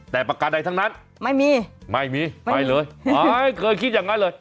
แต่ปากกาอะไรทั้งนั้นไม่มีไม่มีไปเลยเคยคิดอย่างนั้นเลย